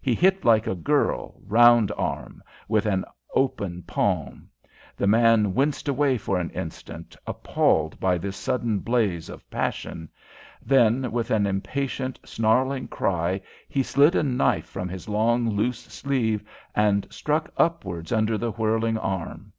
He hit like a girl, round arm, with an open palm. The man winced away for an instant, appalled by this sudden blaze of passion. Then with an impatient, snarling cry he slid a knife from his long loose sleeve and struck upwards under the whirling arm.